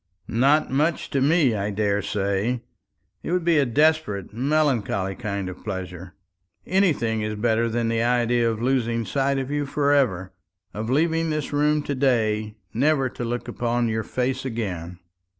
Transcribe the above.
"Not much to me, I daresay. It would be a desperate, melancholy kind of pleasure. Anything is better than the idea of losing sight of you for ever of leaving this room to day never to look upon your face again."